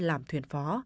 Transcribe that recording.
làm thuyền phó